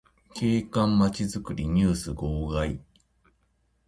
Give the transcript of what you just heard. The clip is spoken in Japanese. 景観まちづくりニュース号外